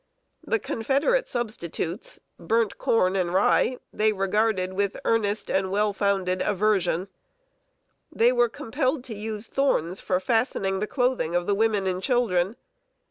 The Confederate substitutes burnt corn and rye they regarded with earnest and well founded aversion. They were compelled to use thorns for fastening the clothing of the women and children.